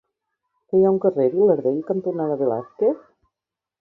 Què hi ha al carrer Vilardell cantonada Velázquez?